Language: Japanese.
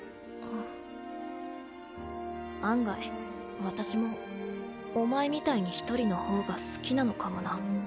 案外私もお前みたいに一人の方が好きなのかもな。